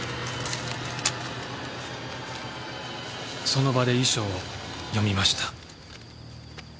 その場で遺書を読みました。